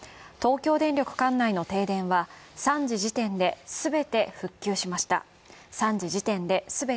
東京電力管内の停電は３時時点ですべて復旧しました。